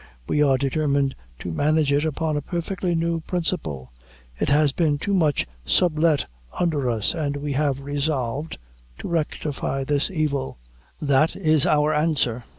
We are determined to manage it upon a perfectly new principle. It has been too much sublet under us, and we have resolved to rectify this evil. That is our answer.